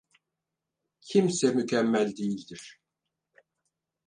Kimse mükemmel değildir.